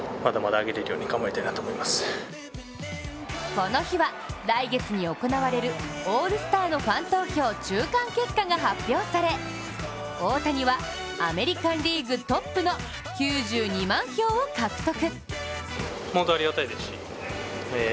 この日は来月に行われるオールスターのファン投票中間結果が発表され大谷は、アメリカン・リーグトップの９２万票を獲得。